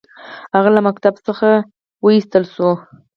هغه له ښوونځي څخه وایستل شو.